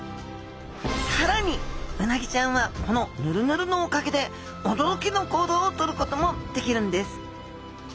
更にうなぎちゃんはこのヌルヌルのおかげで驚きの行動をとることもできるんです！